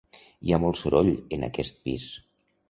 Hi ha molt soroll en aquest pis.